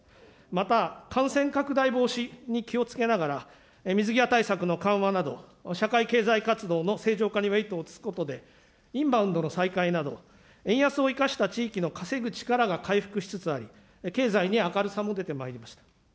また、感染拡大防止に気をつけながら、水際対策の緩和など、社会経済活動の正常化に移すことで、インバウンドの再開など、円安を生かした地域の稼ぐ力が回復しつつあり、経済に明るさも出てまいりました。